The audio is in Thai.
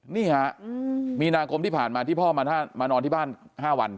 นี่ฮะมีนาคมที่ผ่านมาที่พ่อมานอนที่บ้าน๕วัน